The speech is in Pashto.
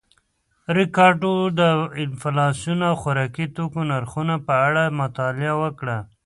ریکارډو د انفلاسیون او خوراکي توکو نرخونو په اړه مطالعه وکړه